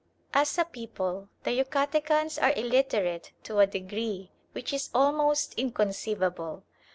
As a people the Yucatecans are illiterate to a degree which is almost inconceivable.